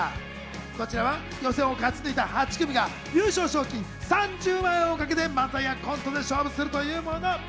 こちらは予選を勝ち抜いた８組が優勝賞金３０万円をかけて漫才やコントで勝負するというもの。